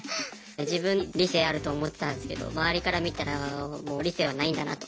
自分理性あると思ってたんですけど周りから見たらもう理性はないんだなと。